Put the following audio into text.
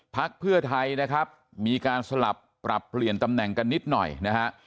พักเพื่อไทยนะครับมีการสลับปรับเปลี่ยนตำแหน่งกันนิดหน่อยนะฮะ